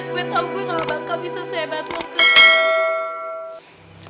gue tau gue gak nganggep bisa sehebat lu kak